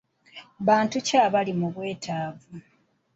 Bantu ki abali mu bwetaavu?